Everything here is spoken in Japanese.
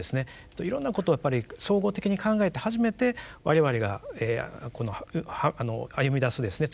いろんなことをやっぱり総合的に考えて初めて我々が歩みだすですね